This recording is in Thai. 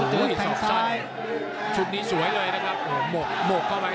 ชุดนี้สวยเลยนะครับโหมกเข้าไป